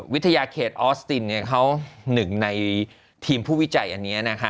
วิทยาเขตออสตินเขาหนึ่งในทีมผู้วิจัยอันนี้นะคะ